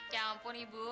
ya ampun ibu